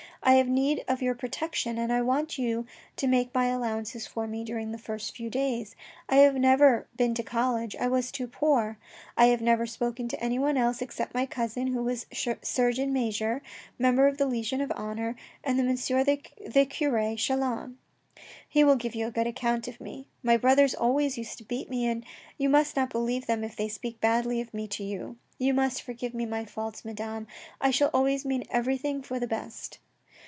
I have need of your protection and I want you to make many allow ances for me during the first few days. I have never been to the college, I was too poor. I have never spoken to anyone else except my cousin who was Surgeon Major, Member of the Legion of Honour, and M. the cure Chelan. He will give you a good account of me. My brothers always used to beat me, and you must not believe them if they speak badly of me to you. You must forgive my faults, Madame. I shall always mean everything for the best."